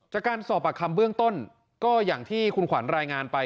จากการสอบปากคำเบื้องต้นก็อย่างที่คุณขวัญรายงานไป